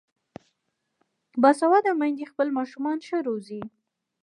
باسواده میندې خپل ماشومان ښه روزي.